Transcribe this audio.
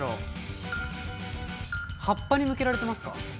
葉っぱに向けられてますか？